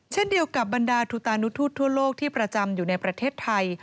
เช่นเดียวกับบรรดาทุตานุทูตทั่วโลกที่ประจำอยู่ในประเทศไทย